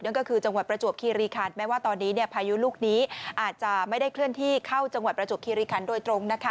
จังหวัดประจวบคีรีคันแม้ว่าตอนนี้พายุลูกนี้อาจจะไม่ได้เคลื่อนที่เข้าจังหวัดประจวบคิริคันโดยตรง